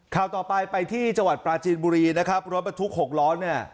ข่าวต่อไปไปที่จังหวัดปลาจีนบุรีนะครับรถบรรทุก๖ล้อเนี่ย